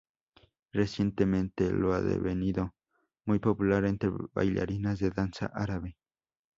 Recientemente lo ha devenido muy popular entre bailarinas de danza árabe.